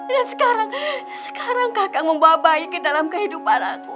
dan sekarang sekarang kakak membawa bayi ke dalam kehidupan aku